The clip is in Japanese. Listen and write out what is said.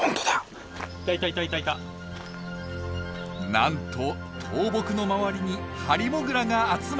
なんと倒木の周りにハリモグラが集まっています！